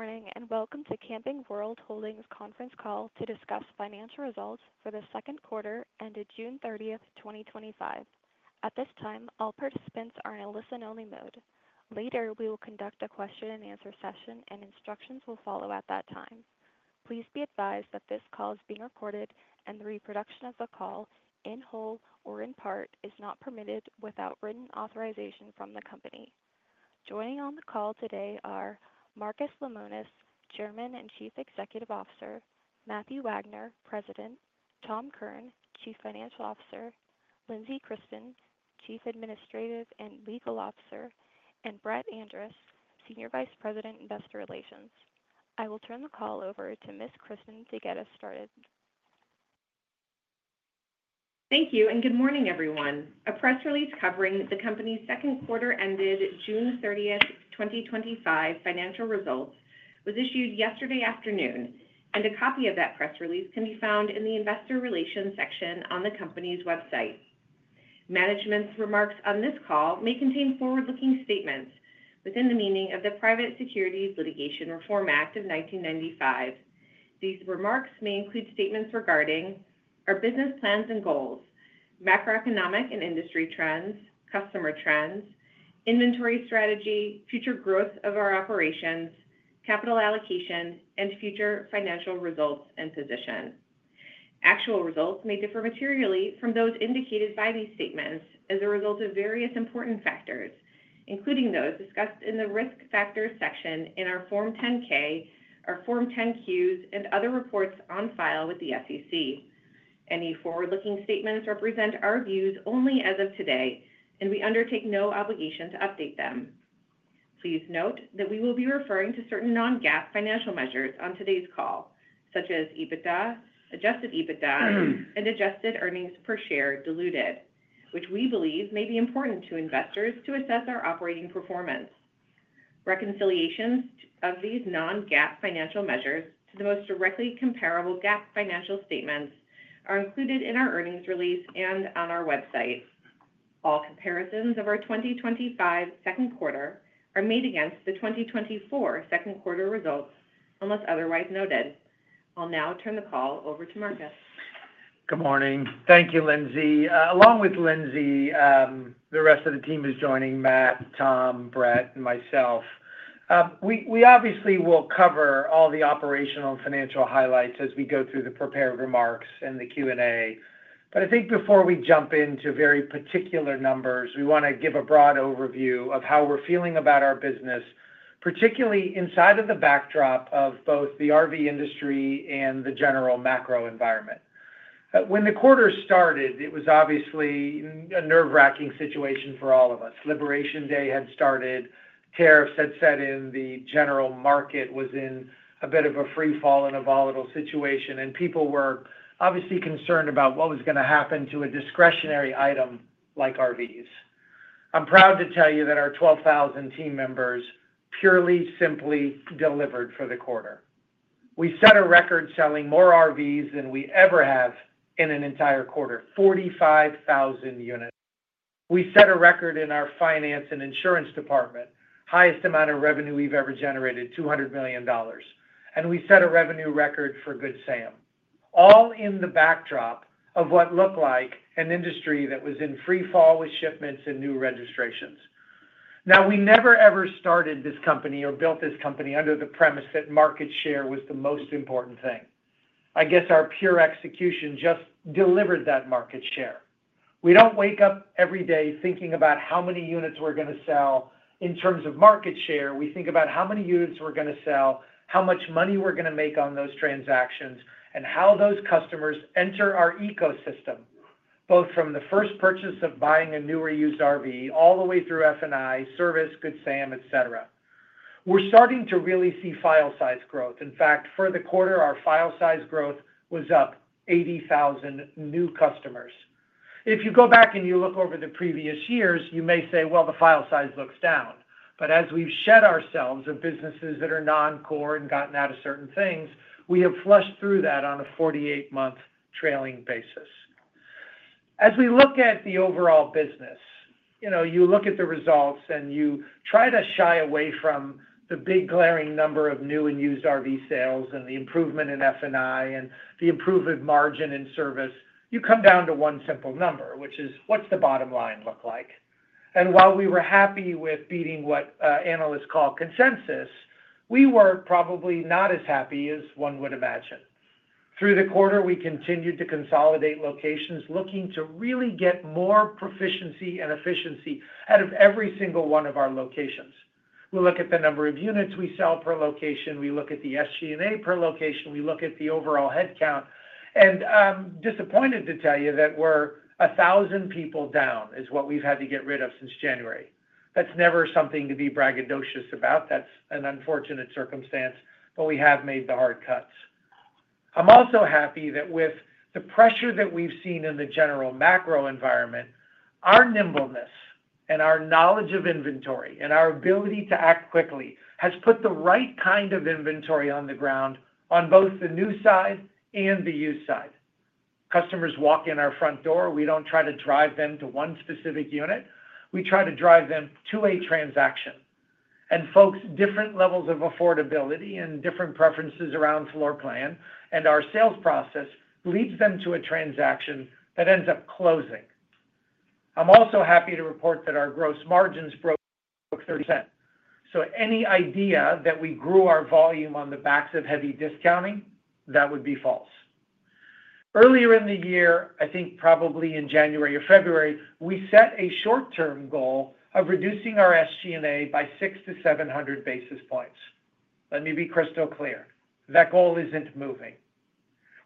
Good morning and welcome to Camping World Holdings conference call to discuss financial results for the second quarter ended June 30, 2025. At this time, all participants are in a listen-only mode. Later, we will conduct a question and answer session and instructions will follow at that time. Please be advised that this call is being recorded and the reproduction of the call in whole or in part is not permitted without written authorization from the company. Joining on the call today are Marcus Lemonis, Chairman and Chief Executive Officer, Matthew Wagner, President, Tom Kirn, Chief Financial Officer, Lindsey Christen, Chief Administrative and Legal Officer, and Brett Andress, Senior Vice President, Investor Relations. I will turn the call over to Ms. Christen to get us started. Thank you and good morning everyone. A press release covering the company's second quarter ended June 30, 2025 financial results was issued yesterday afternoon, and a copy of that press release can be found in the Investor Relations section on the company's website. Management's remarks on this call may contain forward-looking statements within the meaning of the Private Securities Litigation Reform Act of 1995. These remarks may include statements regarding our business plans and goals, met for economic and industry trends, customer trends, inventory strategy, future growth of our operations, capital allocation, and future financial results and position. Actual results may differ materially from those indicated by these statements as a result of various important factors, including those discussed in the Risk Factors section in our Form 10-K, our Form 10-Qs, and other reports on file with the SEC. Any forward-looking statements represent our views only as of today, and we undertake no obligation to update them. Please note that we will be referring to certain non-GAAP financial measures on today's call, such as EBITDA, adjusted EBITDA, and adjusted earnings per share diluted, which we believe may be important to investors to assess our operating performance. Reconciliations of these non-GAAP financial measures to the most directly comparable GAAP financial statements are included in our earnings release and on our website. All comparisons of our 2025 second quarter are made against the 2024 second quarter results unless otherwise noted. I'll now turn the call over to Marcus. Good morning. Thank you, Lindsey. Along with Lindsey, the rest of the team is joining Matt, Tom, Brett, and myself. We obviously will cover all the operational and financial highlights as we go, prepared remarks and the Q and A. I think before we jump into very particular numbers, we want to give a broad overview of how we're feeling about our business, particularly inside of the backdrop of both the RV industry and the general macro environment. When the quarter started, it was obviously a nerve-wracking situation for all of us. Liberation Day had started, tariffs had set in. The general market was in a bit of a free fall in a volatile situation. People were obviously concerned about what was going to happen to a discretionary item like RVs. I'm proud to tell you that our 12,000 team members purely simply delivered for the quarter. We set a record selling more RVs than we ever have in an entire quarter: 45,000 units. We set a record in our finance and insurance department, highest amount of revenue we've ever generated, $200 million. We set a revenue record for Good Sam. All in the backdrop of what looked like an industry that was in free fall with shipments and new registrations. We never ever started this company or built this company under the premise that market share was the most important thing. I guess our pure execution just delivered that market share. We don't wake up every day thinking about how many units we're going to sell in terms of market share. We think about how many units we're going to sell, how much money we're going to make on those transactions, and how those customers enter our ecosystem. Both from the first purchase of buying a new or used RV all the way through F&I, service, Good Sam, et cetera, we're starting to really see file size growth. In fact, for the quarter our file size growth was up 80,000 new customers. If you go back and you look over the previous years, you may say the file size looks down. As we've shed ourselves of businesses that are non-core and gotten out of certain things, we have flushed through that on a 48-month trailing basis. As we look at the overall business, you look at the results and you try to shy away from the big glaring number of new and used RV sales and the improvement in F&I and the improved margin in service, you come down to one simple number, which is what's the bottom line look like? While we were happy with beating what analysts call consensus, we were probably not as happy as one would imagine. Through the quarter we continued to consolidate locations, looking to really get more proficiency and efficiency out of every single one of our locations. We look at the number of units we sell per location, we look at the SG&A per location, we look at the overall headcount and I'm disappointed to tell you that we're 1,000 people down, is what we've had to get rid of since January. That's never something to be braggadocious about. That's an unfortunate circumstance. We have made the hard cuts. I'm also happy that with the pressure that we've seen in the general macro environment, our nimbleness and our knowledge of inventory and our ability to act quickly has put the right kind of inventory on the ground on both the new side and the used side. Customers walk in our front door. We don't try to drive them to one specific unit, we try to drive them to a transaction. Folks have different levels of affordability and different preferences around floor plan and our sales process leads them to a transaction that ends up closing. I'm also happy to report that our gross margins broke 30%. Any idea that we grew our volume on the backs of heavy discounting would be false. Earlier in the year, I think probably in January or February, we set a short-term goal of reducing our SG&A by 600-700 basis points. Let me be crystal clear, that goal isn't moving.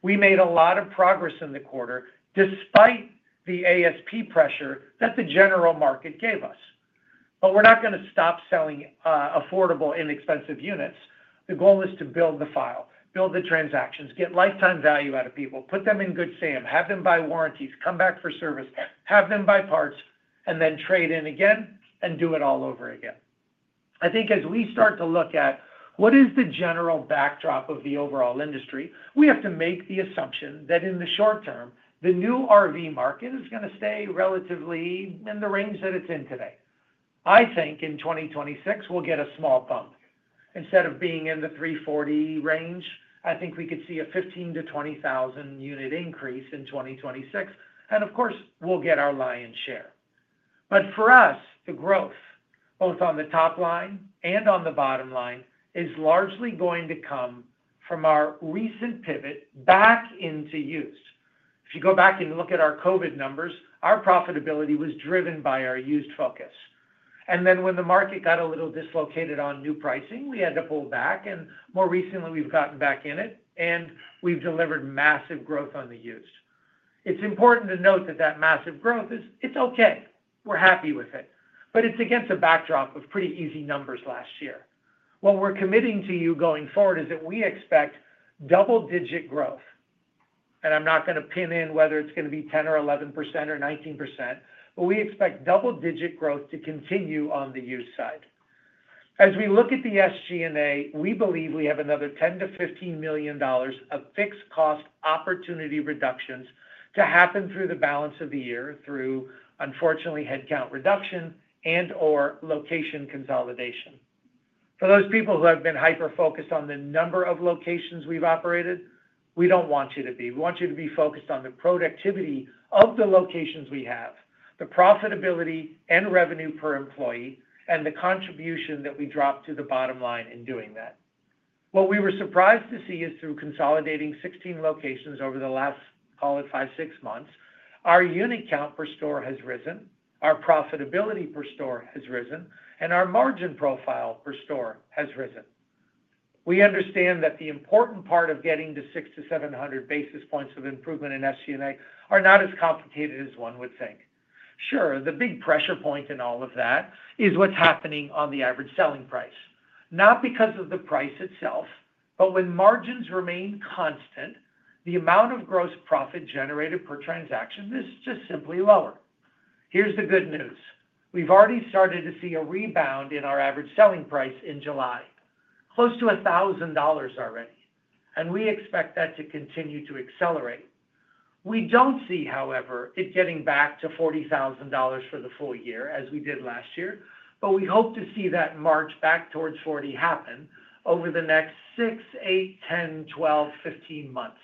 We made a lot of progress in the quarter despite the ASP pressure that the general market gave us. We're not going to stop selling affordable, inexpensive units. The goal is to build the file, build the transactions, get lifetime value out of people, put them in Good Sam, have them buy warranties, come back for service, have them buy parts and then trade in again and do it all over again. I think as we start to look at what is the general backdrop of the overall industry, we have to make the assumption that in the short term the new RV market is going to stay relatively in the range that it's in today. I think in 2026 we'll get a small bump. Instead of being in the 340,000 range, I think we could see a 15,000-20,000 unit increase in 2026 and of course we'll get our lion's share. For us, the growth both on the top line and on the bottom line is largely going to come from our recent pivot back into used. If you go back and look at our Covid numbers, our profitability was driven by our used focus. When the market got a little dislocated on new pricing, we had to pull back. More recently we've gotten back in it and we've delivered massive growth on the used. It's important to note that that massive growth is okay, we're happy with it, but it's against a backdrop of pretty easy numbers last year. What we're committing to you going forward is that we expect double-digit growth. I'm not going to pin in whether it's going to be 10% or 11% or 19%, but we expect double-digit growth to continue. On the used side, as we look at the SG&A, we believe we have another $10 million-$15 million of fixed cost opportunity reductions to happen through the balance of the year through, unfortunately, headcount reduction and/or location consolidation. For those people who have been hyper-focused on the number of locations we've operated, we don't want you to be. We want you to be focused on the productivity of the locations we have, the profitability and revenue per employee, and the contribution that we drop to the bottom line in doing that. What we were surprised to see is through consolidating 16 locations over the last, call it, 56 months, our unit count per store has risen, our profitability per store has risen, and our margin profile per store has risen. We understand that the important part of getting to 600-700 basis points of improvement in SG&A are not as complicated as one would think. The big pressure point in all of that is what's happening on the average selling price. Not because of the price itself, but when margins remain constant, the amount of gross profit generated per transaction is just simply lower. Here's the good news. We've already started to see a rebound in our average selling price in July, close to $1,000 already, and we expect that to continue to accelerate. We don't see, however, it getting back to $40,000 for the full year as we did last year. We hope to see that march back towards $40,000 happen over the next 6, 8, 10, 12, 15 months.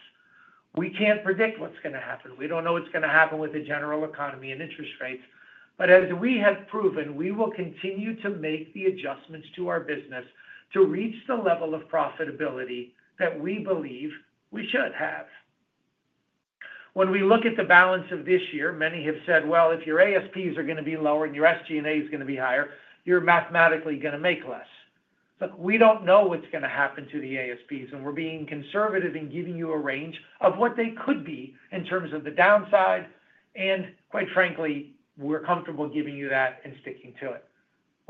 We can't predict what's going to happen. We don't know what's going to happen with the general economy and interest rates. As we have proven, we will continue to make the adjustments to our business to reach the level of profitability that we believe we should have when we look at the balance of this year. Many have said, if your ASPs are going to be lower and your SG&A is going to be higher, you're mathematically going to make less. Look, we don't know what's going to happen to the ASPs and we're being conservative in giving you a range of what they could be in terms of the downside. Quite frankly, we're comfortable giving you that and sticking to it.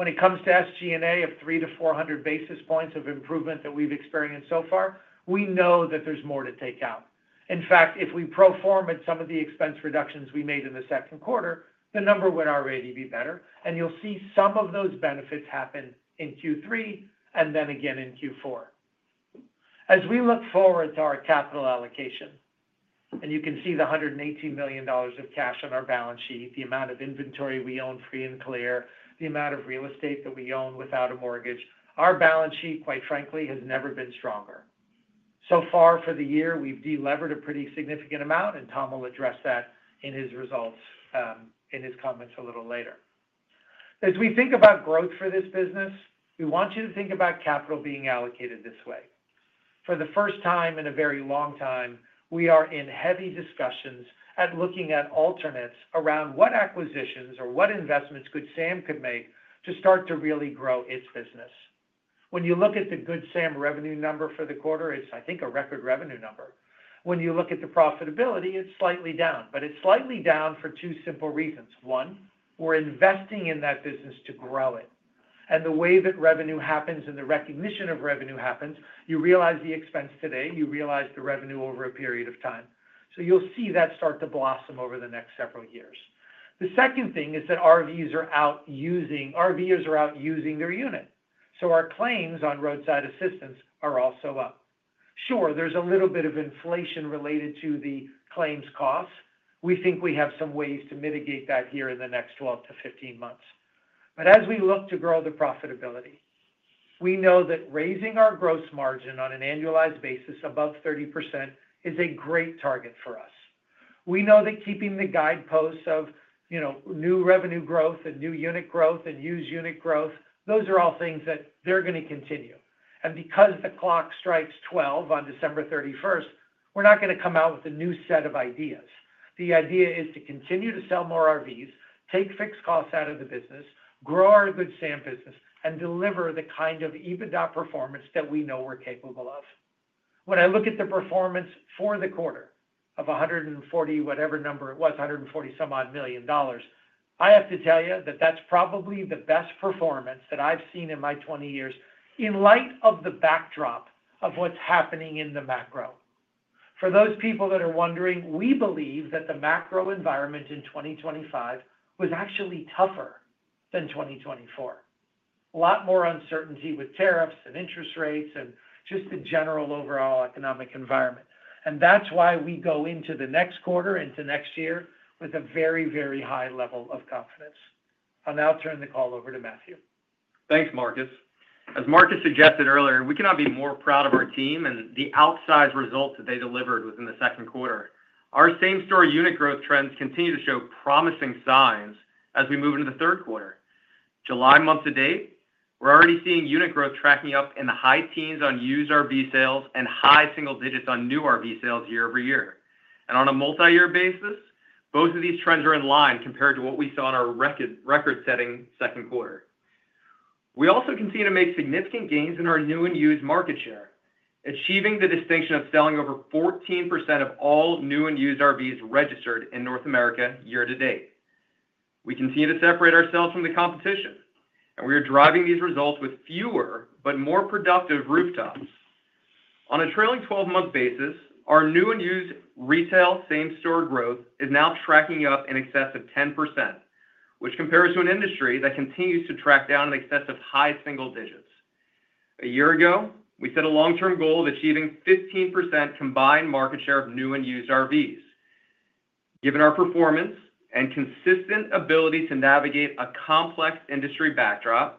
When it comes to SG&A of 300-400 basis points of improvement that we've experienced so far, we know that there's more to take out. In fact, if we pro forma some of the expense reductions we made in the second quarter, the number would already be better. You'll see some of those benefits happen in Q3 and then again in Q4 as we look forward to our capital allocation. You can see the $118 million of cash on our balance sheet, the amount of inventory we own free and clear, the amount of real estate that we own without a mortgage. Our balance sheet, quite frankly, has never been stronger. So far for the year, we've delevered a pretty significant amount. Tom will address that in his results in his comments a little later. As we think about growth for this business, we want you to think about capital being allocated this way for the first time in a very long time. We are in heavy discussions looking at alternates around what acquisitions or what investments Good Sam could make to start to really grow its business. When you look at the Good Sam revenue number for the quarter, it's, I think, a record revenue number. When you look at the profitability, it's slightly down, but it's slightly down for two simple reasons. One, we're investing in that business to grow it. The way that revenue happens and the recognition of revenue happens, you realize the expense today, you realize the revenue over a period of time. You'll see that start to blossom over the next several years. The second thing is that RVers are out using their unit. Our claims on roadside assistance are also up. There's a little bit of inflation related to the claims costs. We think we have some ways to mitigate that here in the next 12 to 15 months. As we look to grow the profitability, we know that raising our gross margin on an annualized basis above 30% is a great target for us. We know that keeping the guideposts of new revenue growth and new unit growth and used unit growth, those are all things that are going to continue. Because the clock strikes 12 on December 31, we're not going to come out with a new set of ideas. The idea is to continue to sell more RVs, take fixed costs out of the business, grow our Good Sam business, and deliver the kind of EBITDA performance that we know we're capable of. When I look at the performance for the quarter of $140 million, whatever number it was, $140 some odd million, I have to tell you that that's probably the best performance that I've seen in my 20 years. In light of the backdrop of what's happening in the macro, for those people that are wondering, we believe that the macro environment in 2025 was actually tougher than 2024. There was a lot more uncertainty with tariffs and interest rates and just the general overall economic environment. That's why we go into the next quarter into next year with a very, very high level of confidence. I'll now turn the call over to Matthew. Thanks Marcus. As Marcus suggested earlier, we cannot be more proud of our team and the outsized results that they delivered within the second quarter. Our same store unit growth trends continue to show promising signs as we move into the third quarter. July month to date, we're already seeing unit growth tracking up in the high teens on used RV sales and high single digits on new RV sales year over year and on a multi-year basis. Both of these trends are in line compared to what we saw in our record-setting second quarter. We also continue to make significant gains in our new and used market share, achieving the distinction of selling over 14% of all new and used RVs registered in North America year to date. We continue to separate ourselves from the competition, and we are driving these results with fewer but more productive rooftops. On a trailing twelve month basis, our new and used retail same store growth is now tracking up in excess of 10%, which compares to an industry that continues to track down in excess of high single digits. A year ago, we set a long term goal of achieving 15% combined market share of new and used RVs. Given our performance and consistent ability to navigate a complex industry backdrop,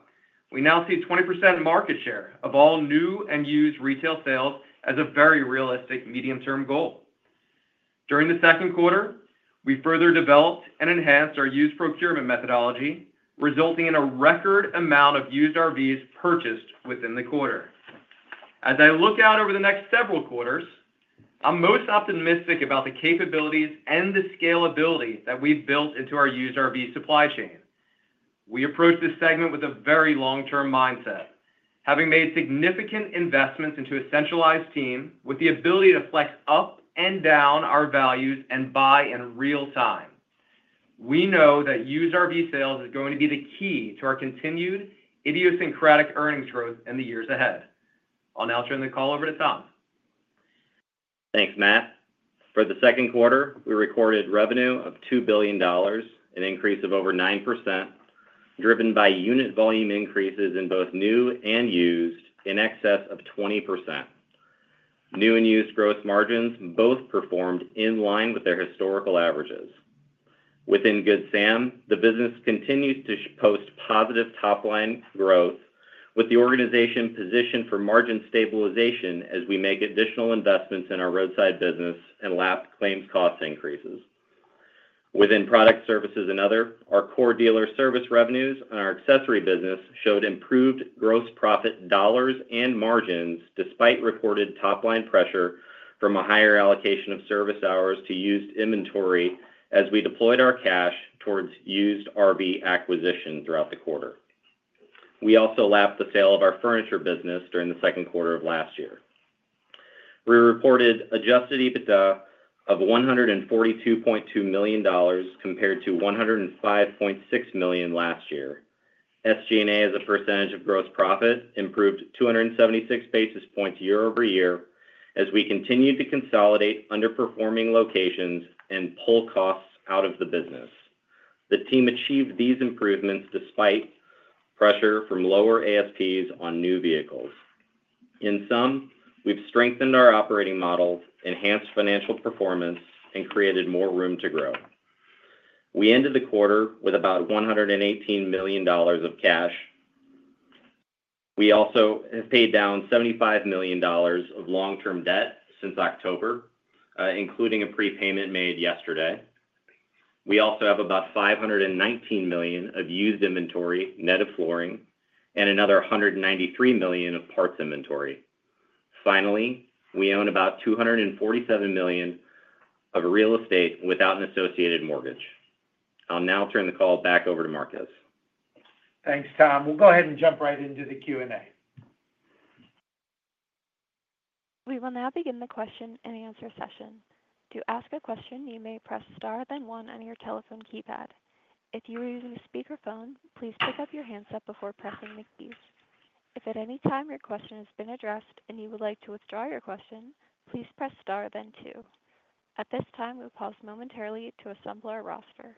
we now see 20% market share of all new and used retail sales as a very realistic medium term goal. During the second quarter, we further developed and enhanced our used procurement methodology, resulting in a record amount of used RVs purchased within the quarter. As I look out over the next several quarters, I'm most optimistic about the capabilities and the scalability that we've built into our used RV supply chain. We approach this segment with a very long term mindset, having made significant investments into a centralized team with the ability to flex up and down our values and buy in real time. We know that used RV sales is going to be the key to our continued idiosyncratic earnings growth in the years ahead. I'll now turn the call over to Tom. Thanks Matt. For the second quarter, we recorded revenue of $2 billion, an increase of over 9% driven by unit volume increases in both new and used in excess of 20%. New and used gross margins both performed in line with their historical averages within Good Sam. The business continues to post positive top line growth with the organization positioned for margin stabilization as we make additional investments in our roadside business and lap claims. Cost increases within product services and other core dealer service revenues on our accessory business showed improved gross profit dollars and margins despite reported top line pressure from a higher allocation of service hours to used inventory. As we deployed our cash towards used RV acquisition throughout the quarter, we also lapped the sale of our furniture business. During the second quarter of last year, we reported adjusted EBITDA of $142.2 million compared to $105.6 million last year. SG&A as a percentage of gross profit improved 276 basis points year over year as we continued to consolidate underperforming locations and pull costs out of the business. The team achieved these improvements despite pressure from lower ASPs on new vehicles. In sum, we've strengthened our operating models, enhanced financial performance, and created more room to grow. We ended the quarter with about $118 million of cash. We also have paid down $75 million of long term debt since October, including a prepayment made yesterday. We also have about $519 million of used inventory, net of flooring, and another $193 million of parts inventory. Finally, we own about $247 million of real estate without an associated mortgage. I'll now turn the call back over to Marcus. Thanks, Tom. We'll go ahead and jump right into the Q and A. We will now begin the question and answer session. To ask a question, you may press star then one on your telephone keypad. If you are using speakerphone, please pick up your handset before pressing the keys. If at any time your question has been addressed and you would like to withdraw your question, please press star then two. At this time, we will pause momentarily to assemble our roster.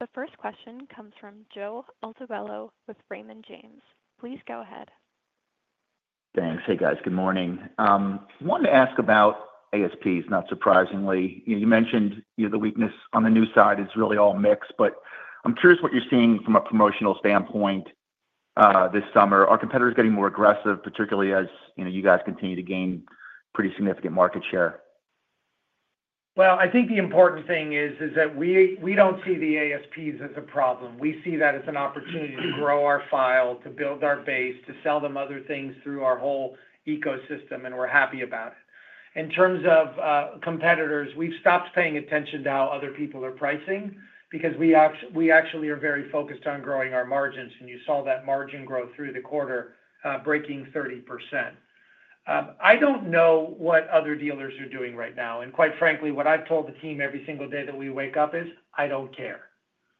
The first question comes from Joe Altobello with Raymond James. Please go ahead. Thanks. Hey guys, good morning. Wanted to ask about ASPs. Not surprisingly, you mentioned the weakness on the new side is really all mix. I'm curious what you're seeing from a promotional standpoint this summer. Are competitors getting more aggressive, particularly as you guys continue to gain pretty significant market share? I think the important thing is that we don't see the ASPs as a problem. We see that as an opportunity to grow our file, to build our base, to sell them other things through our whole ecosystem. We're happy about it. In terms of competitors, we've stopped paying attention to how other people are pricing because we actually are very focused on growing our margins. You saw that margin growth through the quarter breaking 30%. I don't know what other dealers are doing right now. Quite frankly, what I've told the team every single day that we wake up is I don't care.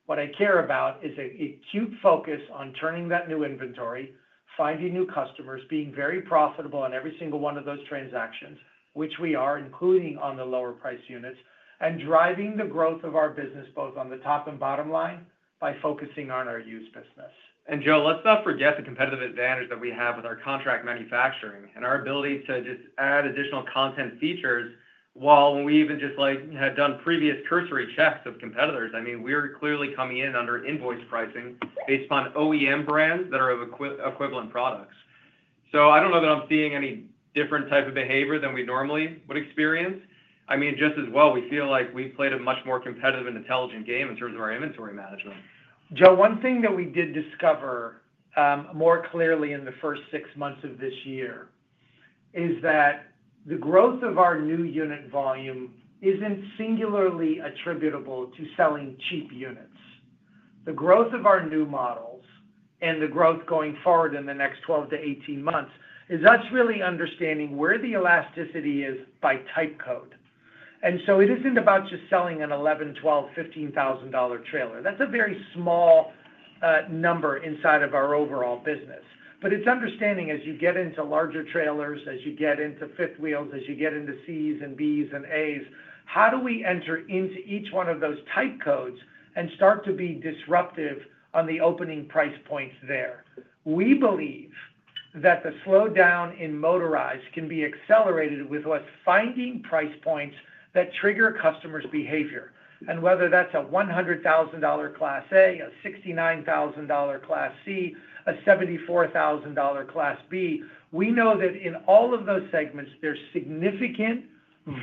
What I care about is acute focus on turning that new inventory, finding new customers, being very profitable on every single one of those transactions, which we are including on the lower price units, and driving the growth of our business both on the top and bottom line by focusing on our used business. Joe, let's not forget the competitive advantage that we have with our contract manufacturing and our ability to just add additional content features while we even just like had done previous cursory checks of competitors. I mean, we're clearly coming in under invoice pricing based upon OEM brands that are of equivalent products. I don't know that I'm seeing any different type of behavior than we normally would experience. Just as well, we feel like we played a much more competitive and intelligent game in terms of our inventory management. Joe, one thing that we did discover more clearly in the first six months of this year is that the growth of our new unit volume isn't singularly attributable to selling cheap units. The growth of our new models and the growth going forward in the next 12 to 18 months is us really understanding where the elasticity is by type code. It isn't about just selling an $11,000, $12,000, $15,000 trailer. That's a very small number inside of our overall business. It's understanding as you get into larger trailers, as you get into fifth wheels, as you get into Cs and Bs, how do we enter into each one of those type codes and start to be disruptive on the opening price points there. We believe that the slowdown in motorized can be accelerated with us finding price points that trigger customer behavior. Whether that's a $100,000 Class A, $69,000 Class C, or a $74,000 Class B, we know that in all of those segments there's significant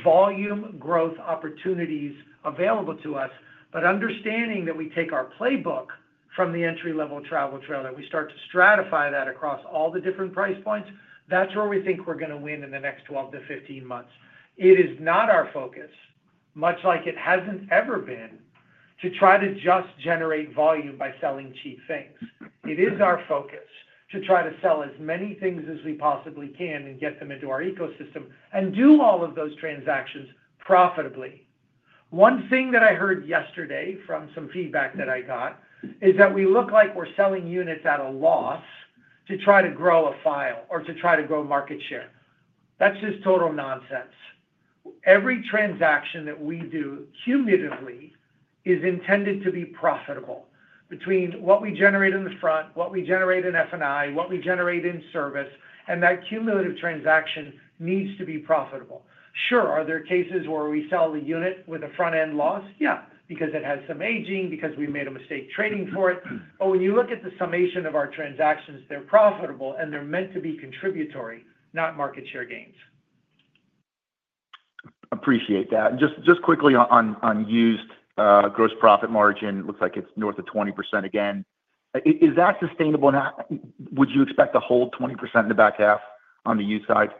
volume growth opportunities available to us. Understanding that we take our playbook from the entry level travel trailer, we start to stratify that across all the different price points. That's where we think we're going to win in the next 12 to 15 months. It is not our focus, much like it hasn't ever been, to try to just generate volume by selling cheap things. It is our focus to try to sell as many things as we possibly can and get them into our ecosystem and do all of those transactions profitably. One thing that I heard yesterday from some feedback that I got is that we look like we're selling units at a loss to try to grow a file or to try to grow market share. That's just total nonsense. Every transaction that we do cumulatively is intended to be profitable. Between what we generate in the front, what we generate in F&I, what we generate in service, that cumulative transaction needs to be profitable. Are there cases where we sell the unit with a front end loss? Yeah, because it has some aging, because we made a mistake trading for it. When you look at the summation of our transactions, they're profitable and they're meant to be contributory, not market share gains. Appreciate that. Just quickly on used gross profit margin, looks like it's north of 20% again. Is that sustainable? Would you expect to hold 20% in the back half, on the used side.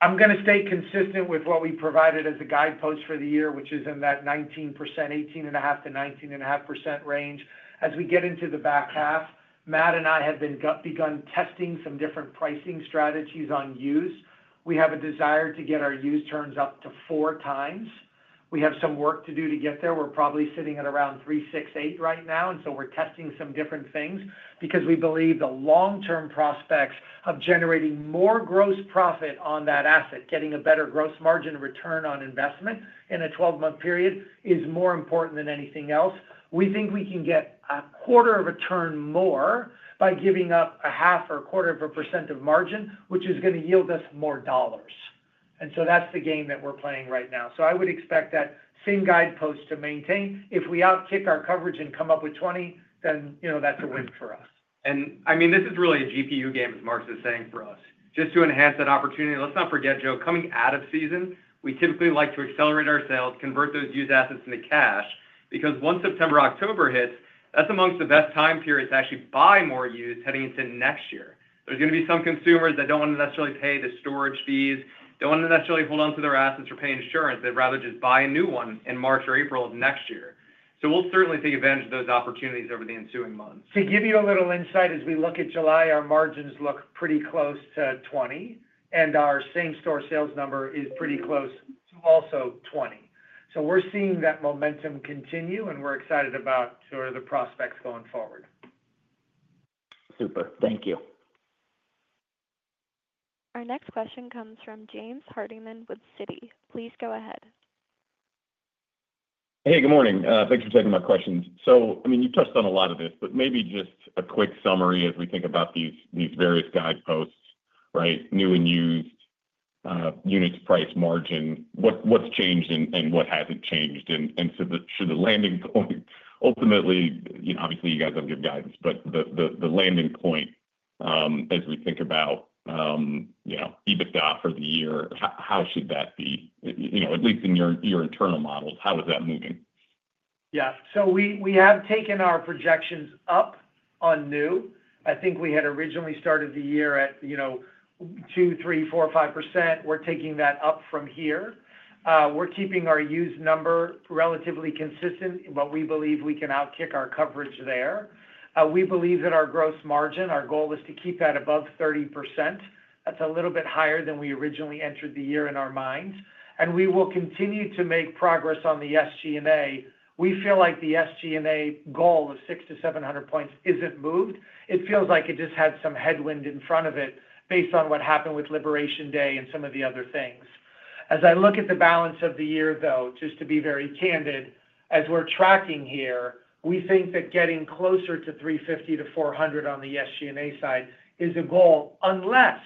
I'm going to stay consistent with what we provided as a guidepost for the year, which is in that 19%, 18.5%-19.5% range. As we get into the back half, Matt and I have begun testing some different pricing strategies on used. We have a desire to get our used turns up to four times. We have some work to do to get there. We're probably sitting at around 3.68x right now. We are testing some different things because we believe the long term prospects of generating more gross profit on that asset. Getting a better gross margin of return on investment in a 12 month period is more important than anything else. We think we can get a quarter of a turn more by giving up a half or a quarter of a percent of margin, which is going to yield us more dollars. That is the game that we're playing right now. I would expect that same guidepost to maintain. If we out kick our coverage and come up with 20%, then you know, that's a win for us. This is really a GPU game, as Marcus is saying, for us just to enhance that opportunity. Let's not forget, Joe, coming out of season, we typically like to accelerate our sales, convert those used assets into cash because once September, October hits, that's amongst the best time period to actually buy more used. Heading into next year, there's going to be some consumers that don't necessarily pay the storage fees, don't want to necessarily hold onto their assets or pay insurance. They'd rather just buy a new one in March or April of next year. We'll certainly take advantage of those opportunities over the ensuing months. To give you a little insight, as we look at July, our margins look pretty close to 20% and our same store sales number is pretty close to also 20%. We're seeing that momentum continue, and we're excited about the prospects going forward. Super, thank you. Our next question comes from James Hardiman with Citi. Please go ahead. Hey, good morning. Thanks for taking my questions. You've touched on a lot of this, but maybe just a quick summary as we think about these various guide posts, right. New and used units, price margin, what's changed and what hasn't changed. That should, the landing point ultimately, you know, obviously you guys are good guidance, but the landing point as we think about, you know, EBITDA for the year, how should that be? At least in your internal models. How is that moving? Yeah, we have taken our projections up on new. I think we had originally started the year at 2%, 3%, 4%, 5%. We're taking that up from here. We're keeping our used number relatively consistent, but we believe we can out kick our coverage there. We believe that our gross margin, our goal is to keep that above 30%. That's a little bit higher than we originally entered the year in our minds, and we will continue to make progress on the SG&A. We feel like the SG&A goal of 600-700 basis points isn't moved. It feels like it just had some headwind in front of it based on what happened with Liberation Day and some of the other things. As I look at the balance of the year, just to be very candid, as we're tracking here, we think that getting closer to 350-400 on the SG&A side is a goal unless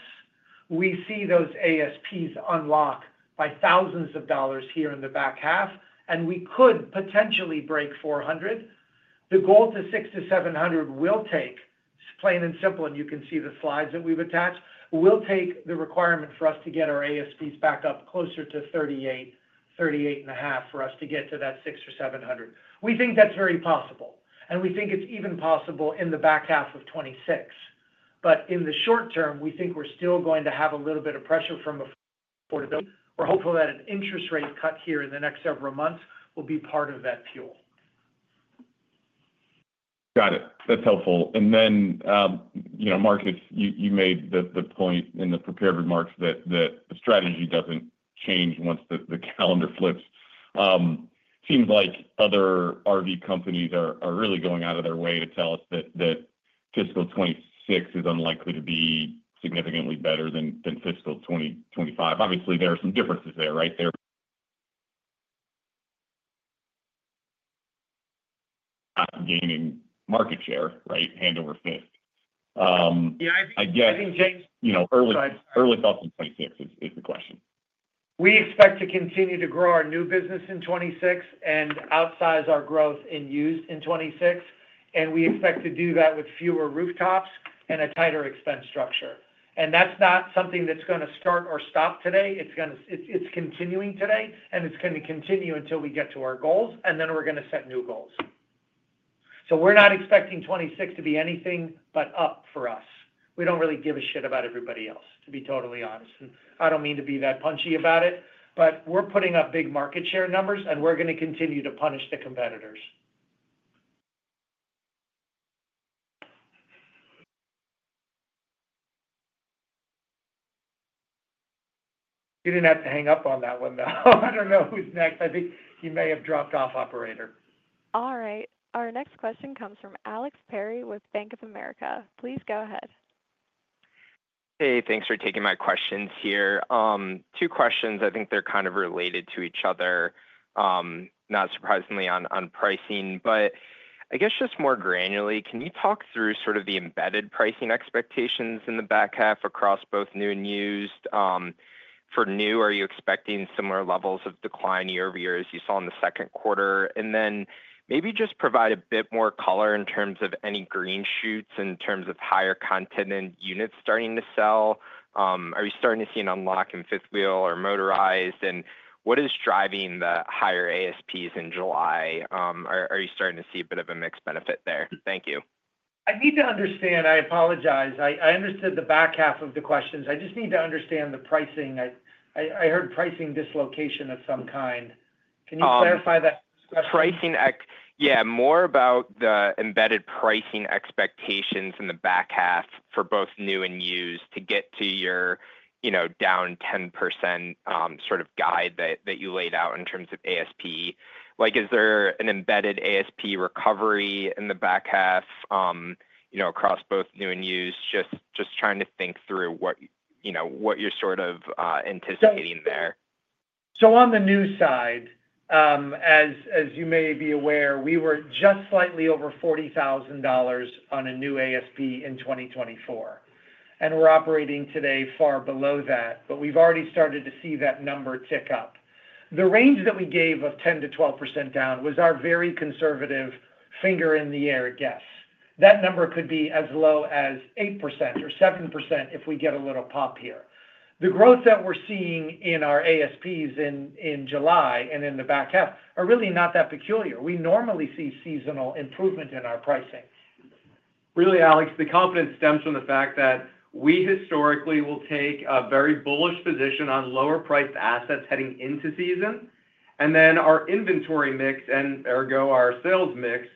we see those ASPs unlock by thousands of dollars here in the back half, and we could potentially break 400. The goal to 600-700 will take, plain and simple, and you can see the slides that we've attached, will take the requirement for us to get our ASP back up closer to $38,000, $38,500. For us to get to that 600-700, we think that's very possible, and we think it's even possible in the back half of 2026. In the short term, we think we're still going to have a little bit of pressure. We're hopeful that an interest rate cut here in the next several months will be part of that fuel. Got it. That's helpful. You made the point in the prepared remarks. That strategy doesn't change once the calendar flips. It seems like other RV companies are really going out of their way to tell us that fiscal 2026 is unlikely to be significantly better than fiscal 2025. Obviously, there are some differences there. Gaining market share right hand over fist, I guess. You know, early fifth is the question. We expect to continue to grow our new business in 2026 and outsize our growth in used in 2026. We expect to do that with fewer rooftops and a tighter expense structure. That is not something that is going to start or stop today. It is continuing today, and it is going to continue until we get to our goals, and then we are going to set new goals. We are not expecting 2026 to be anything but up for us. We do not really give a shit about everybody else, to be totally honest. I do not mean to be that punchy about it, but we are putting up big market share numbers, and we are going to continue to punish the competitors. You did not have to hang up on that one, though. I do not know. Who is next?I think he may have dropped off, operator. All right, our next question comes from Alex Perry with Bank of America. Please go ahead. Hey, thanks for taking my questions here. Two questions. I think they're kind of related to each other, not surprisingly on pricing, but I guess just more granularly. Can you talk through sort of the embedded pricing expectations in the back half across both new and used? For new, are you expecting similar levels of decline year over year as you saw in the second quarter, and then maybe just provide a bit more color in terms of any green shoots? In terms of higher content in units, are you starting to see an unlock in 5th wheel or motorized? What is driving the higher ASPs in July? Are you starting to see a bit of a mixed benefit there? Thank you. I need to understand. I apologize. I understood the back half of the questions. I just need to understand the pricing. I heard pricing dislocation of some kind. Can you clarify that pricing? Yeah, more about the embedded pricing expectations in the back half for both new and used to get to your, you know, down 10% sort of guide that you laid out in terms of ASP, like, is there an embedded ASP recovery in the back half, you know, across both new and used? Just trying to think through what, you know, what you're sort of anticipating there. On the new side, as you may be aware, we were just slightly over $40,000 on a new ASP in 2024, and we're operating today far below that. We've already started to see that number tick up. The range that we gave of 10%-12% down was our very conservative finger in the air guess. That number could be as low as 8% or 7% if we get a little pop here. The growth that we're seeing in our ASPs in July and in the back half are really not that peculiar. We normally see seasonal improvement in our pricing. Really, Alex, the confidence stems from the fact that we historically will take a very bullish position on lower priced assets heading into season. Our inventory mix and ergo our sales mix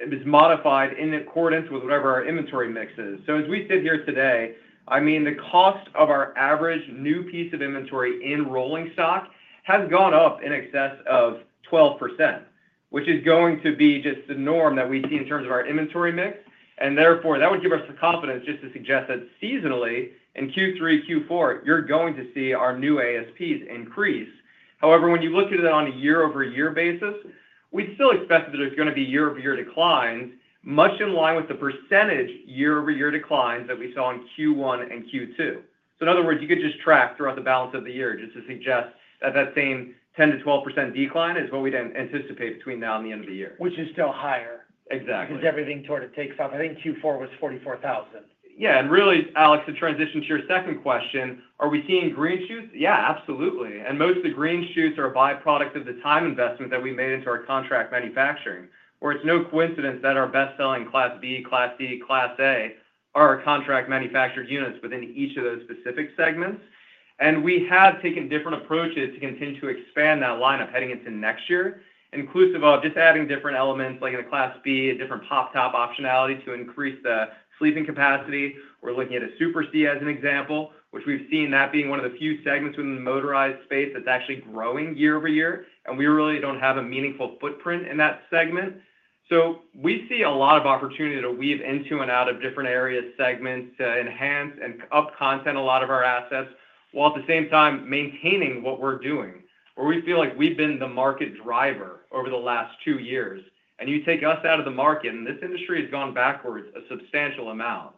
is modified in accordance with whatever our inventory mix is. As we sit here today, the cost of our average new piece of inventory in rolling stock has gone up in excess of 12%, which is going to be just the norm that we see in terms of our inventory mix. Therefore, that would give us the confidence just to suggest that seasonally in Q3, Q4, you're going to see our new ASPs increase. However, when you look at it on a year over year basis, we still expect that it's going to be year over year decline, much in line with the percentage year over year declines that we saw in Q1 and Q2. In other words, you could just track throughout the balance of the year just to suggest at that same 10%-12% decline is what we didn't anticipate between now and the end of the year, which is still higher. Exactly. Everything sort of takes off. I think Q4 was 44,000. Yeah. Alex, to transition to your second question, are we seeing green shoots? Yeah, absolutely. Most of the green shoots are a byproduct of the time investment that we made into our contract manufacturing, where it's no coincidence that our best selling Class B, Class C, Class A are contract manufactured units within each of those specific segments. We have taken different approaches to continue to expand that lineup heading into next year, inclusive of just adding different elements like in a Class B, a different pop top optionality to increase the sleeping capacity. We're looking at a Super C as an example, which we've seen as being one of the few segments within the motorized space that's actually growing year over year. We really don't have a meaningful footprint in that segment. We see a lot of opportunity to weave into and out of different areas and segments to enhance and up content a lot of our assets, while at the same time maintaining what we're doing where we feel like we've been the market driver over the last two years. You take us out of the market and this industry has gone backwards a substantial amount.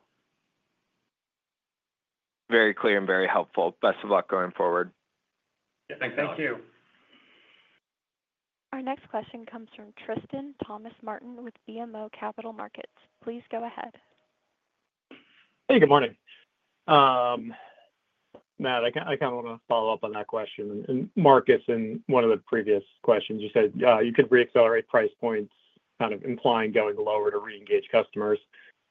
Very clear and very helpful. Best of luck going forward. Thank you. Our next question comes from Tristan Thomas-Martin with BMO Capital Markets. Please go ahead. Hey, good morning. Matt, I kind of want to follow up on that question. Marcus, in one of the previous questions, you said you could reaccelerate price points, kind of implying going lower to re-engage customers.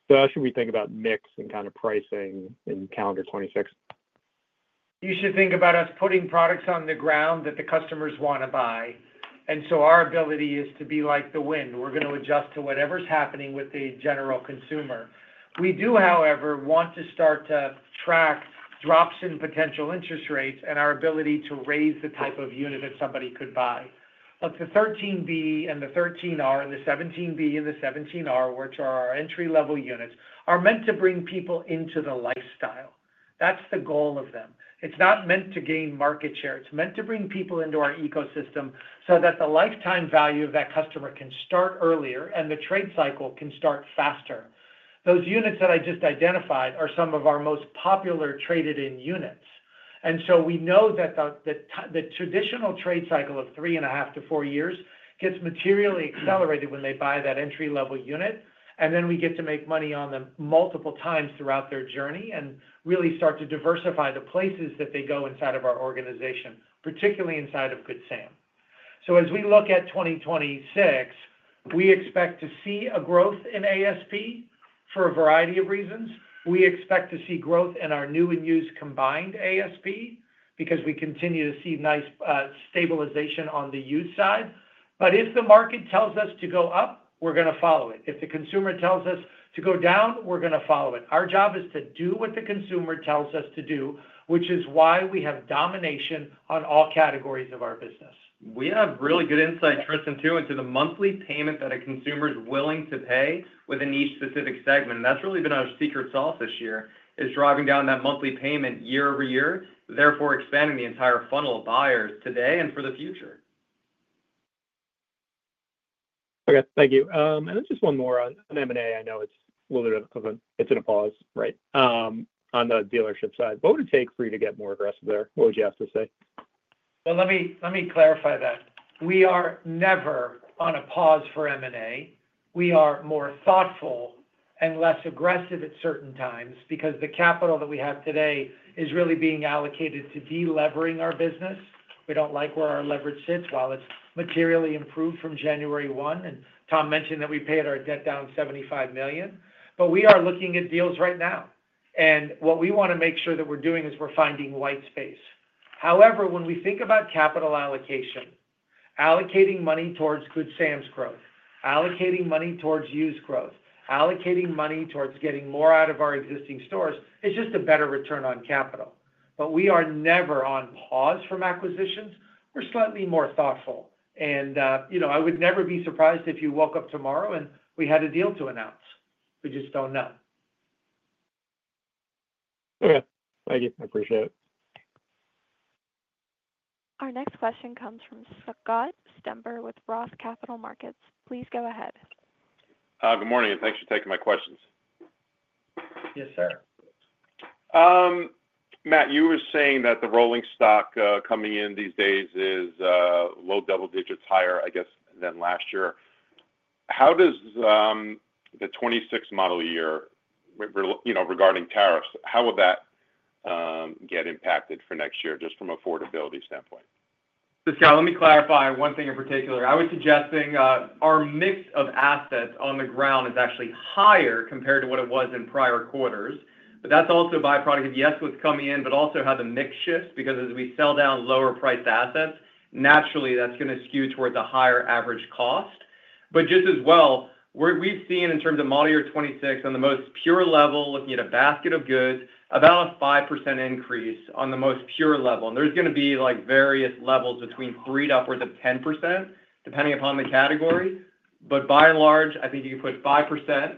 How should we think about mix regarding pricing in calendar 2026? You should think about us putting products on the ground that the customers want to buy. Our ability is to be like the wind. We're going to adjust to whatever's happening with the general consumer. We do, however, want to start to track drops in potential interest rates and our ability to raise the type of unit that somebody could buy. The 13B and the 13R and the 17B and the 17R, which are our entry level units, are meant to bring people into the lifestyle. That's the goal of them. It's not meant to gain market share. It's meant to bring people into our ecosystem so that the lifetime value of that customer can start earlier and the trade cycle can start faster. Those units that I just identified are some of our most popular traded in units. We know that the traditional trade cycle of three and a half to four years gets materially accelerated when they buy that entry level unit. We get to make money on them multiple times throughout their journey and really start to diversify the places that they go inside of our organization, particularly inside of Good Sam. As we look at 2026, we expect to see a growth in ASP for a variety of reasons. We expect to see growth in our new and used combined ASP because we continue to see nice stabilization on the used side. If the market tells us to go up, we're going to follow it. If the consumer tells us to go down, we're going to follow it. Our job is to do what the consumer tells us to do, which is why we have domination on all categories of our business. We have really good insight turns into the monthly payment that a consumer is willing to pay with a niche specific segment. That's really been our secret sauce this year, driving down that monthly payment year over year, therefore expanding the entire funnel of buyers today and for the future. Okay, thank you. Just one more. On M&A, I know it's a little bit of a pause right on the dealership side. What would it take for you to get more aggressive there? What would you have to say? Let me clarify that we are never on a pause for M&A. We are more thoughtful and less aggressive at certain times because the capital that we have today is really being allocated to delevering our business. We don't like where our leverage sits while it's materially improved from January 1, and Tom mentioned that we paid our debt down $75 million. We are looking at deals right now and what we want to make sure that we're doing is we're finding white space. However, when we think about capital allocation, allocating money towards Good Sam's growth, allocating money towards used growth, allocating money towards getting more out of our existing stores is just a better return on capital. We are never on pause from acquisitions. We're slightly more thoughtful, and I would never be surprised if you woke up tomorrow and we had a deal to announce. We just don't know. I appreciate it. Our next question comes from Scott Stember with KeyBanc Capital Markets. Please go ahead. Good morning, and thanks for taking my questions. Yes, sir. Matt, you were saying that the rolling stock coming in these days is low double digits higher, I guess, than last year. How does the 2026 model year, you know, regarding tariffs, how would that get impacted for next year just from an affordability standpoint? Let me clarify one thing in particular. I was suggesting our mix of assets on the ground is actually higher compared to what it was in prior quarters. That is also a byproduct of, yes, what's coming in, but also how the mix shifts. As we sell down lower priced assets, naturally that's going to skew towards a higher average cost. Just as well, we've seen in terms of model year 2026 on the most pure level, looking at a basket of goods, about a 5% increase on the most pure level. There are going to be various levels between 3% to upwards of 10% depending upon the category. By and large, I think you put 5%.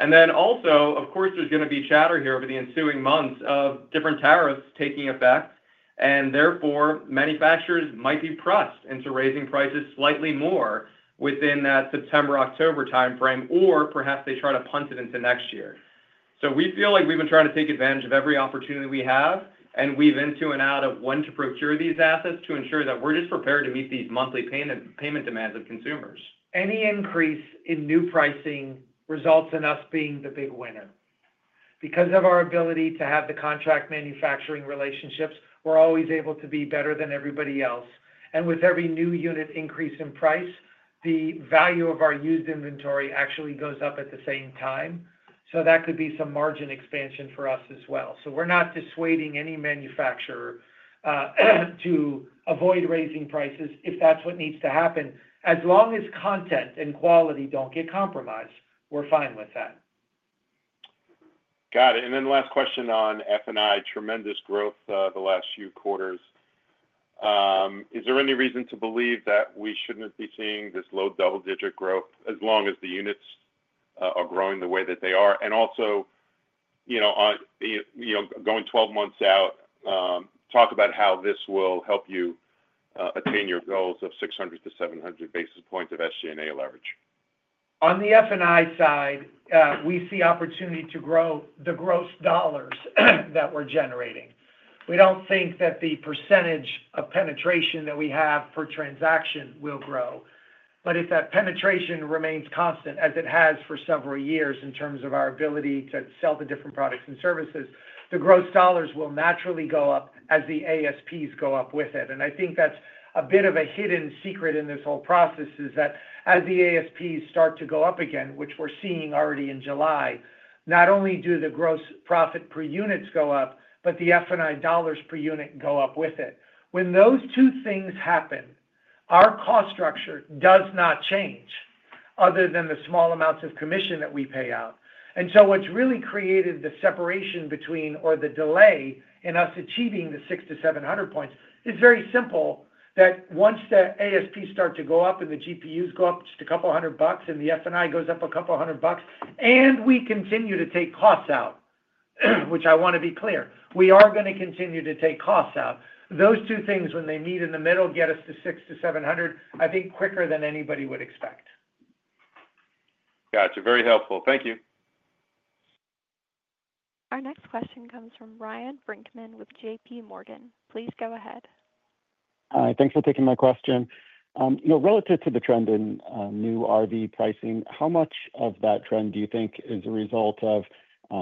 Of course, there's going to be chatter here over the ensuing months of different tariffs taking effect and therefore manufacturers might be pressed into raising prices slightly more within that September, October timeframe or perhaps they try to punt it into next year. We feel like we've been trying to take advantage of every opportunity we have and weave into and out of when to procure these assets to ensure that we're just prepared to meet these monthly payment demands of consumers. Any increase in new pricing results in us being the big winner. Because of our ability to have the contract manufacturing relationships, we're always able to be better than everybody else. With every new unit increase in price, the value of our used inventory actually goes up at the same time. That could be some margin expansion for us as well. We're not dissuading any manufacturer to avoid raising prices if that's what needs to happen. As long as content and quality don't get compromised, we're fine with that. Got it. Last question on F&I, tremendous growth the last few quarters. Is there any reason to believe that we shouldn't be seeing this low double-digit growth as long as the units are growing the way that they are? Also, going 12 months out, talk about how this will help you attain your goals of 600-700 basis points of SG&A leverage. On the F&I side, we see opportunity to grow the gross dollars that we're generating. We don't think that the percentage of penetration that we have per transaction will grow. If that penetration remains constant, as it has for several years in terms of our ability to sell the different products and services, the gross dollars will naturally go up as the ASPs go up with it. I think that's a bit of a hidden secret in this whole process, that as the ASPs start to go up again, which we're already in July, not only do the gross profit per units go up, but the F&I dollars per unit go up with it. When those two things happen, our cost structure does not change other than the small amounts of commission that we pay out. What's really created the separation between or the delay in us achieving the 600-700 basis points is very simple, that once the ASPs start to go up and the GPUs go up just a couple hundred bucks and the F&I goes up a couple hundred bucks and we continue to take costs out, which I want to be clear, we are going to continue to take costs out. Those two things, when they meet in the middle, get us to 600-700, I think quicker than anybody would expect. Got you. Very helpful. Thank you. Our next question comes from Ryan Brinkman with JPMorgan. Please go ahead. Hi, thanks for taking my question. You know, relative to the trend in new RV pricing, how much of that trend do you think is a result of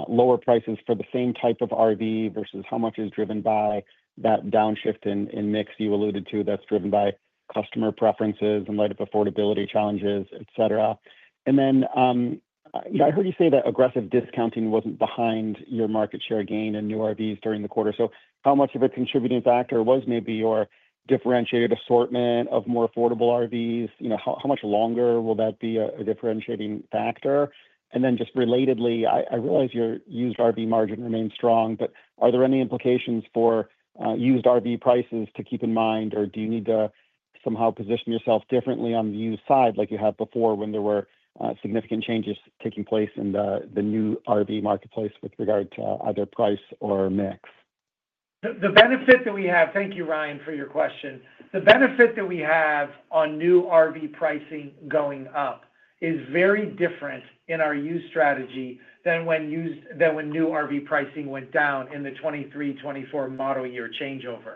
lower prices for the same type of RV versus how much is driven by that downshift in mix you alluded to that's driven by customer preferences in light of affordability challenges, etc.? I heard you say that aggressive discounting wasn't behind your market share gain in new RVs during the quarter. How much of a contributing factor was maybe your differentiated assortment of more affordable RVs? How much longer will that be a differentiating factor? Relatedly, I realize your used RV margin remains strong, but are there any implications for used RV prices to keep in mind, or do you need to somehow position yourself differently on the used side like you have before when there were significant changes taking place in the new RV marketplace with regard to either price or mix? The benefits that we have. Thank you, Ryan, for your question. The benefit that we have on new RV pricing going up is very different in our used strategy than when new RV pricing went down in the 2023-2024 model year changeover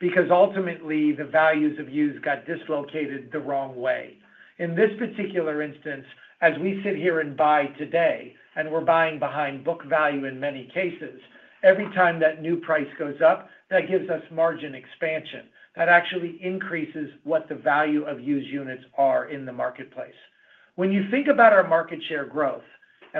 because ultimately the values of used got dislocated the wrong way. In this particular instance, as we sit here and buy today and we're buying behind book value in many cases, every time that new price goes up that gives us margin expansion that actually increases what the value of used units are in the marketplace. When you think about our market share growth,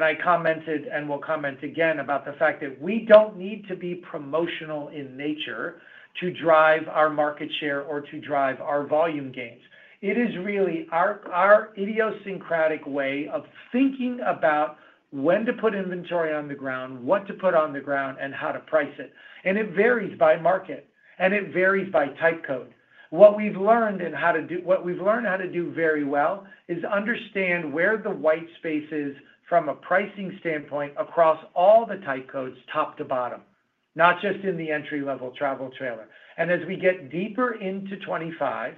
and I commented and will comment again about the fact that we don't need to be promotional in nature to drive our market share or to drive our volume gains. It is really our idiosyncratic way of thinking about when to put inventory on the ground, what to put on the ground, and how to price it. It varies by market and it varies by type code. What we've learned how to do very well is understand where the white space is from a pricing standpoint across all the type codes, top to bottom, not just in the entry level travel trailer. As we get deeper into 2025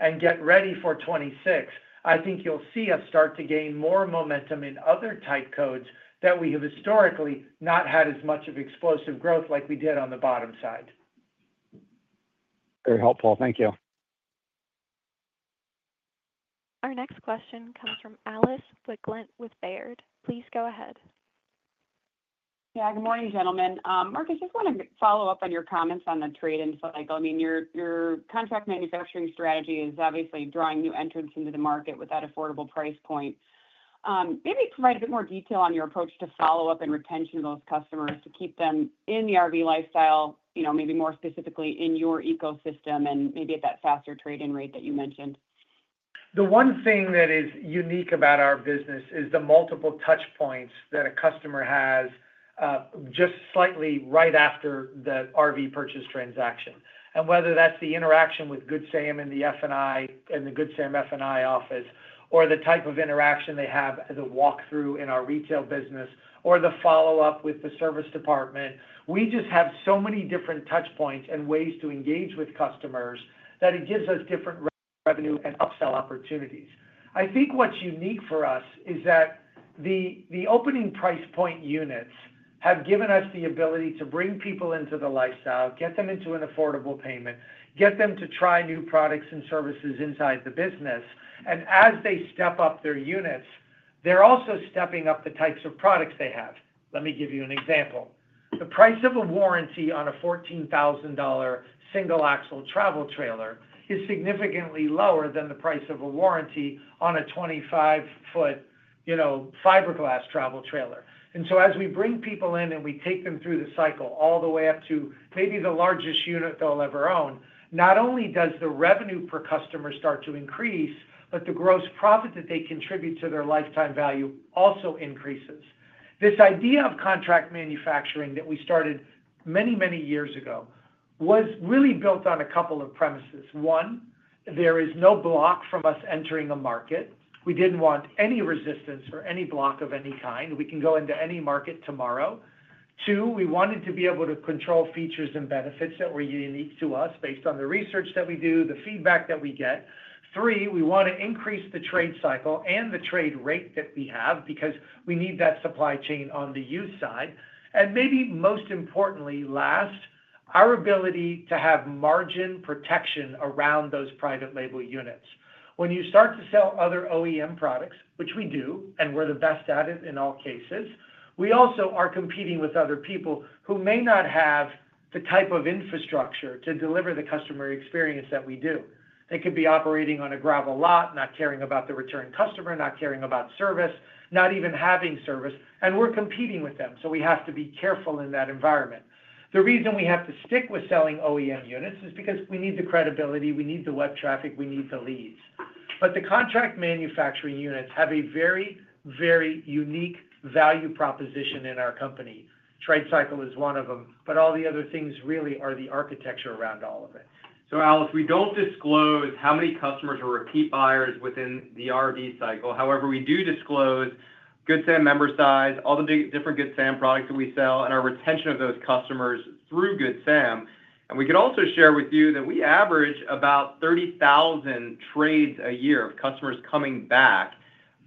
and get ready for 2026, I think you'll see us start to gain more momentum in other type codes that we have historically not had as much of explosive growth like we did on the bottom side. Very helpful, thank you. Our next question comes from Alice Wycklendt with Baird. Please go ahead. Good morning, gentlemen. Marcus, just want to follow up on your comments on the trade-in cycle. I mean your contract manufacturing strategy is obviously drawing new entrants into the market with that affordable price point. Maybe provide a bit more detail on your approach to follow up and retention those customers, to keep them in the RV lifestyle, you know, maybe more specifically in your ecosystem and maybe at that faster trade-in rate that you mentioned. The one thing that is unique about our business is the multiple touch points that a customer has just slightly right after the RV purchase transaction. Whether that's the interaction with Good Sam and the F&I and the Good Sam F&I office, or the type of interaction they have, the walkthrough in our retail business, or the follow up with the service department, we just have so many different touch points and ways to engage with customers that it gives us different revenue and upsell opportunities. I think what's unique for us is that the opening price point units have given us the ability to bring people into the lifestyle, get them into an affordable payment, get them to try new products and services inside the business. As they step up their units, they're also stepping up the types of products they have. Let me give you an example. The price of a warranty on a $14,000 single axle travel trailer is significantly lower than the price of a warranty on a 25 ft fiberglass travel trailer. As we bring people in and we take them through the cycle, all the way up to maybe the largest unit they'll ever own, not only does the revenue per customer start to increase, but the gross profit that they contribute to their lifetime value also increases. This idea of contract manufacturing that we started many, many years ago was really built on a couple of premises. One, there is no block from us entering a market. We didn't want any resistance or any block of any kind. We can go into any market tomorrow. Two, we wanted to be able to control features and benefits that were unique to us based on the research that we do, the feedback that we get. Three, we want to increase the trade cycle and the trade rate that we have because we need that supply chain on the used side. Maybe most importantly last, our ability to have margin protection around those private label units. When you start to sell other OEM products, which we do, and we're the best at it in all cases, we also are competing with other people who may not have the type of infrastructure to deliver the customer experience that we do. They could be operating on a gravel lot, not caring about the return customer, not caring about service, not even having service, and we're competing with them. We have to be careful in that environment. The reason we have to stick with selling OEM units is because we need the credibility, we need the web traffic, we need the leads. The contract manufacturing units have a very, very unique value proposition in our company. Trade cycle is one of them. All the other things really are the architecture around all of it. We don't disclose how many customers are repeat buyers within the RV cycle. However, we do disclose Good Sam member size, all the different Good Sam products that we sell, and our retention of those customers through Good Sam. We could also share with you that we average about 30,000 trades a year of customers coming back.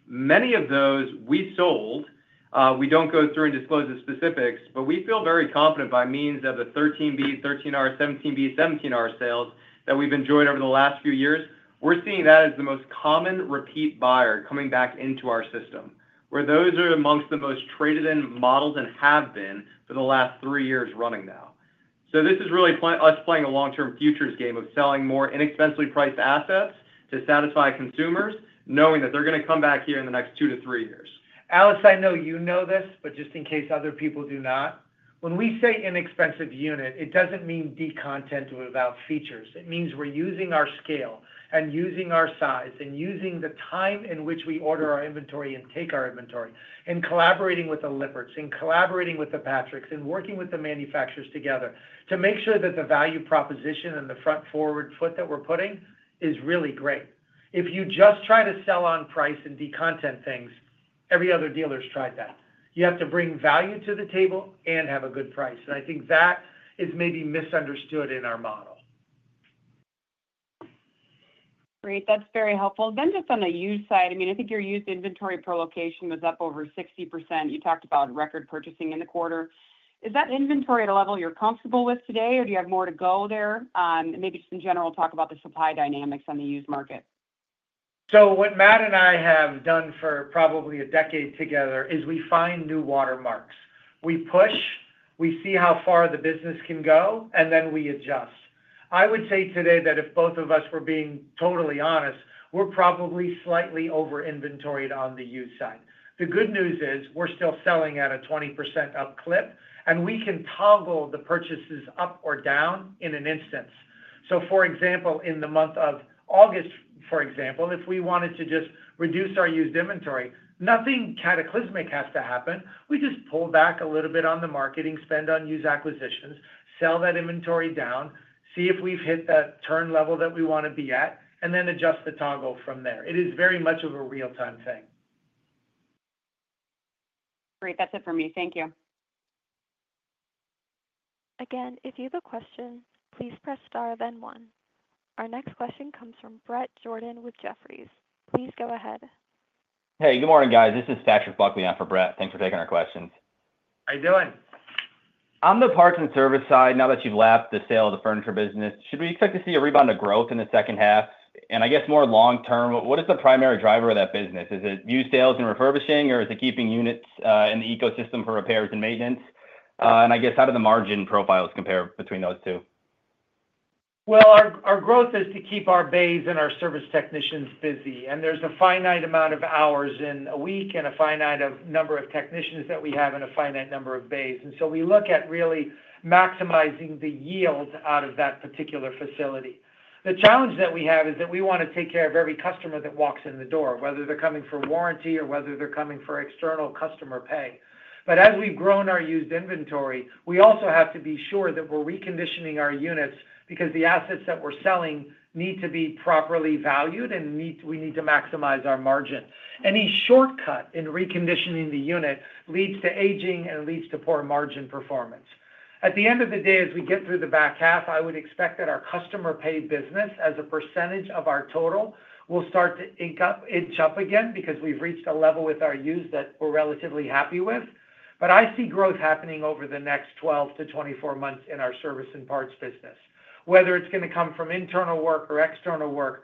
Many of those we sold, we don't go through and disclose the specifics, but we feel very confident by means of the 13B, 13R, 17B, 17R sales that we've enjoyed over the last few years. We're seeing that as the most common repeat buyer coming back into our system, where those are amongst the most traded in models and have been for the last three years running now. This is really us playing a long-term futures game of selling more inexpensively priced assets to satisfy consumers, knowing that they're going to come back here in the next two to three years. Alex, I know you know this, but just in case other people do not. When we say inexpensive unit, it doesn't mean decontent without features. It means we're using our scale and using our size and using the time in which we order our inventory and take our inventory and collaborating with the Lippert and collaborating with the Patrick and working with the manufacturers together to make sure that the value proposition and the front forward foot that we're putting is really great. If you just try to sell on price and decontent things, every other dealer's tried that. You have to bring value to the table and have a good price. I think that is maybe misunderstood in our model. Great, that's very helpful. Then just on the used side, I think your used inventory per location was up over 60%. You talked about record purchasing in the quarter. Is that inventory at a level you're comfortable with comfortable with today or do you have more to go there? Maybe just in general, talk about the supply dynamics on the used market. What Matt and I have done for probably a decade together is we find new watermarks, we push, we see how far the business can go, and then we adjust. I would say today that if both of us were being totally honest, we're probably slightly over inventoried on the used side. The good news is we're still selling at a 20% up clip, and we can toggle the purchases up or down in an instance. For example, in the month of August, if we wanted to just reduce our used inventory, nothing cataclysmic has to happen. We just pull back a little bit on the marketing, spend on used acquisitions, sell that inventory down, see if we've hit that turn level that we want to be at, and then adjust the toggle from there. It is very much a real-time thing. Great. That's it for me. Thank you. Again, if you have a question, please press star then one. Our next question comes from Bret Jordan with Jefferies. Please go ahead. Hey, good morning, guys. This is Patrick Buckley on for Bret. Thanks for taking our questions. How are you doing? On the parts and service side now that you've lapped the sale the furniture business, should we expect to see a rebound of growth in the second half and I guess more long term? What is the primary driver of that business? Is it used sales and refurbishing, or is it keeping units in the ecosystem for RV Maintenance & Repair? How do the margin profiles compare between those two? Our growth is to keep our bays and our service technicians busy. There is a finite amount of hours in a week and a finite number of technicians that we have and a finite number of bays. We look at really maximizing the yield out of that particular facility. The challenge that we have is that we want to take care of every customer that walks in the door, whether they're coming for warranty or whether they're coming for external customer payment. As we've grown our used inventory, we also have to be sure that we're reconditioning our units because the assets that we're selling need to be properly valued and we need to maximize our margin. Any shortcut in reconditioning the unit leads to aging and leads to poor margin performance at the end of the day. As we get through the back half, I would expect that our customer paid business as a percentage of our total will start to inch up again because we've reached a level with our use that we're relatively happy with. I see growth happening over the next 12 to 24 months in our service and parts business, whether it's going to come from internal work or external work.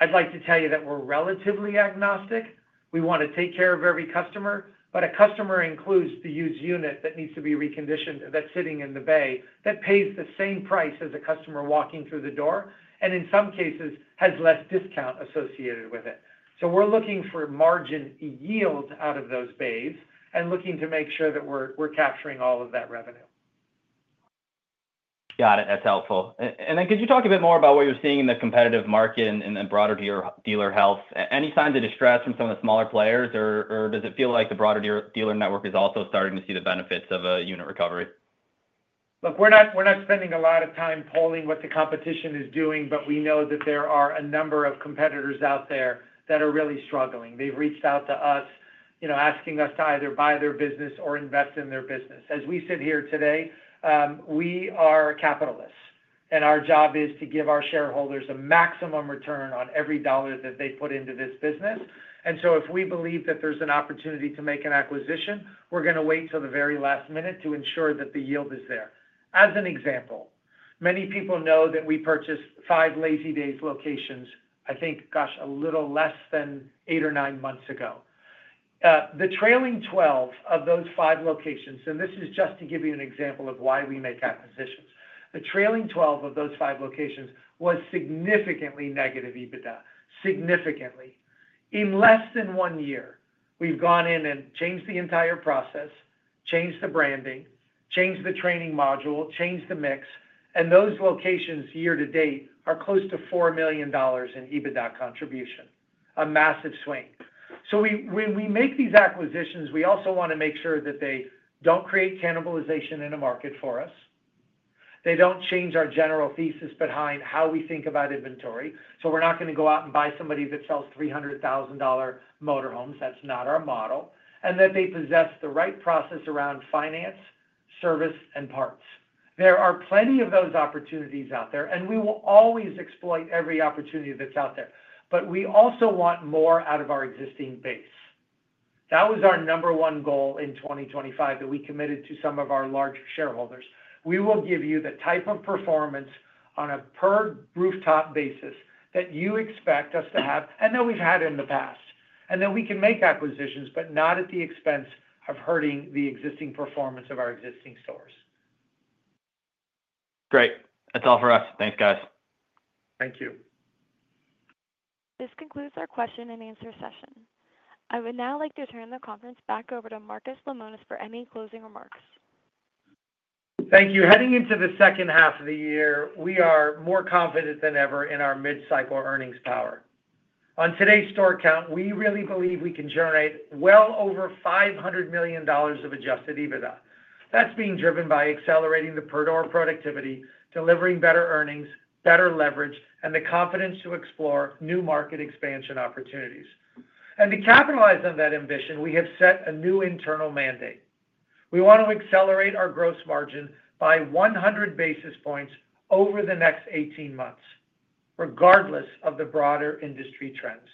I'd like to tell you that we're relatively agnostic. We want to take care of every customer. A customer includes the used unit that needs to be reconditioned, that's sitting in the bay, that pays the same price as a customer walking through the door, and in some cases has less discount associated with it. We're looking for margin yield out of those bays and looking to make sure that we're capturing all of that revenue. Got it. That's helpful. Could you talk a bit more about what you're seeing in the competitive market and broader dealer health? Any signs of distress from some of the smaller players, or does it feel like the broader dealer network also starting to see the benefits of a unit recovery? Look, we're not spending a lot of time polling what the competition is doing, but we know that there are a number of competitors out there that are really struggling. They've reached out to us, you know, asking us to either buy their business or invest in their business as we sit here today. We are capitalists, and our job is to give our shareholders a maximum return on every dollar that they put into this business. If we believe that there's an opportunity to make an acquisition, we're going to wait till the very last minute to ensure that the yield is there. As an example, many people know that we purchased five Lazy Days locations, I think, gosh, a little less than eight or nine months ago. The trailing 12 of those five locations, and this is just to give you an example of why we make acquisitions, the trailing 12 of those five locations was significantly negative EBITDA. Significantly. In less than one year, we've gone in and changed the entire process, changed the branding, changed the training module, changed the mix. Those locations, year to date, are close to $4 million in EBITDA contribution, a massive swing. When we make these acquisitions, we also want to make sure that they don't create cannibalization in a market for us. They don't change our general thesis behind how we think about inventory. We're not going to go out and buy somebody that sells $300,000 motorhomes, that's not our model, and that they possess the right process around finance, service, and parts. There are plenty of those opportunities out there, and we will always exploit every opportunity that's out there. We also want more out of our existing base. That was our number one goal in 2025 that we committed to some of our large shareholders. We will give you the type of performance on a per rooftop basis that you expect us to have and that we've had in the past and that we can make acquisitions, but not at the expense of hurting the existing performance of our existing stores. Great. That's all for us. Thanks, guys. Thank you. This concludes our question and answer session. I would now like to turn the conference back over to Marcus Lemonis for any closing remarks. Thank you. Heading into the second half of the year, we are more confident than ever in our mid cycle earnings power. On today's store count, we really believe we can generate well over $500 million of adjusted EBITDA. That is being driven by accelerating the per door productivity, delivering better earnings, better leverage, and the confidence to explore new market expansion opportunities. To capitalize on that ambition, we have set a new internal mandate. We want to accelerate our gross margin by 100 basis points over the next 18 months, regardless of the broader industry trends.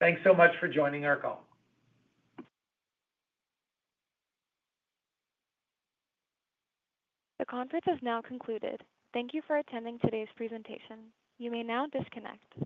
Thanks so much for joining our call. The conference has now concluded. Thank you for attending today's presentation. You may now disconnect.